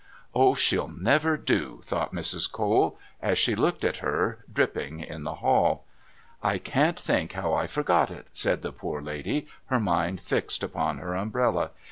"Oh, she'll never do," thought Mrs. Cole, as she looked at her dripping in the hall. "I can't think how I forgot it," said the poor lady, her mind fixed upon her umbrella.